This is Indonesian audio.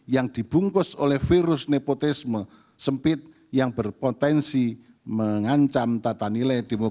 yang dibungkus oleh virus nepotisme sempit yang berpotensi mengancam tata nilai demokrasi